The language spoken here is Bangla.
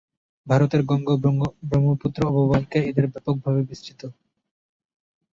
ভারতের গঙ্গা ও ব্রহ্মপুত্র অববাহিকায় এদের ব্যাপক ভাবে বিস্তৃত।